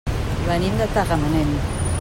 Venim de Tagamanent.